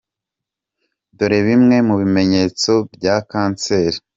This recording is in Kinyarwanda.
Dore bimwe mu bimenyetso bya kanseri:.